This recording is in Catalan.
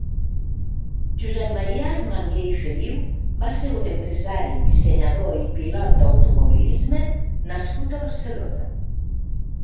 Josep Maria Armangué i Feliu va ser un empresari, dissenyador i pilot d'automobilisme nascut a Barcelona.